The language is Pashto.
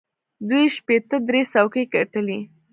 دوی شپېته درې څوکۍ ګټلې.